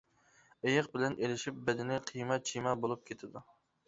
ئېيىق بىلەن ئېلىشىپ بەدىنى قىيما-چىيما بولۇپ كېتىدۇ.